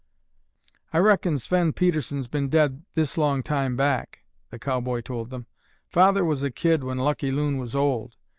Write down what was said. "I reckon Sven Pedersen's been dead this long time back," the cowboy told them. "Father was a kid when Lucky Loon was old.